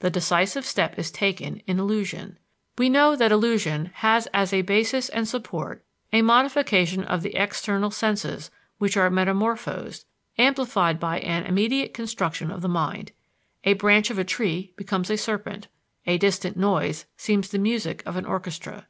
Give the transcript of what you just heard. The decisive step is taken in illusion. We know that illusion has as a basis and support a modification of the external senses which are metamorphosed, amplified by an immediate construction of the mind: a branch of a tree becomes a serpent, a distant noise seems the music of an orchestra.